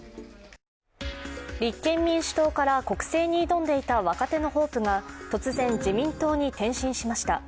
立憲民主党から国政に挑んでいた若手のホープが突然、自民党に転身しました。